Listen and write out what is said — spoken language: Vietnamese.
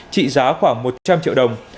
trị giá khoảng một trăm linh triệu đồng